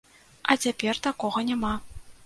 А цяпер такога няма.